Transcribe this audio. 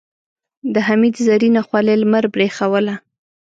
د حميد زرينه خولۍ لمر برېښوله.